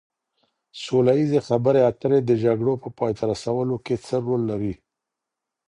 سوله ييزې خبرې اترې د جګړو په پای ته رسولو کي څه رول لري؟